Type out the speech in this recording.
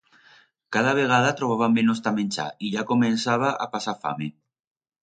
Cada vegada trobaba menos ta menchar y ya comenzaba a pasar fame.